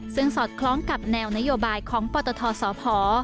ซึ่งสอดคล้องกับแนวนโยบายของปตทสพ